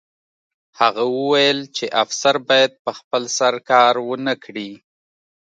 هغه وویل چې افسر باید په خپل سر کار ونه کړي